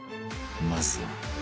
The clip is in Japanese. まずは